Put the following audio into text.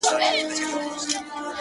درته ښېرا كومه”